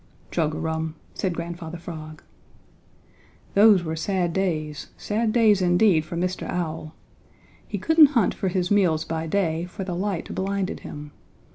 "Chug a rum," said Grandfather Frog, "those were sad days, sad days indeed for Mr. Owl. He couldn't hunt for his meals by day, for the light blinded him.